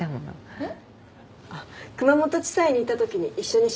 えっ？